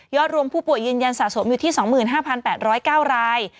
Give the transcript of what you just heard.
รวมผู้ป่วยยืนยันสะสมอยู่ที่๒๕๘๐๙ราย